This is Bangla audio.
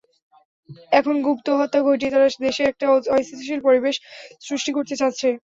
এখন গুপ্তহত্যা ঘটিয়ে তারা দেশে একটা অস্থিতিশীল পরিবেশ সৃষ্টি করতে চাচ্ছে।